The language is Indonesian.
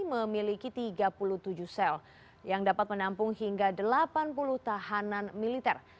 memiliki tiga puluh tujuh sel yang dapat menampung hingga delapan puluh tahanan militer